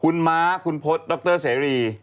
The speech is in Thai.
คุณม้าคุณโพธคุณน่ากฆณี